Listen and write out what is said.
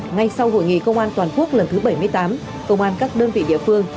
ngay sau hội nghị công an toàn quốc lần thứ bảy mươi tám công an các đơn vị địa phương